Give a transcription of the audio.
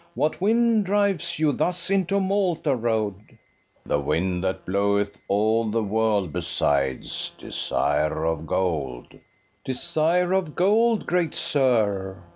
What wind drives you thus into Malta road? BASSO. The wind that bloweth all the world besides, Desire of gold. FERNEZE. Desire of gold, great sir!